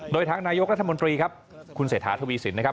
โดยทางนายกรัฐมนตรีครับคุณเศรษฐาทวีสินนะครับ